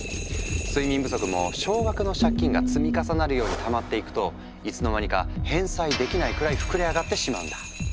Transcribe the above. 睡眠不足も少額の借金が積み重なるようにたまっていくといつの間にか返済できないくらい膨れ上がってしまうんだ。